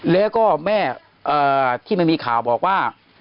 แล้วก็แม่ที่มันมีข่าวบอกว่า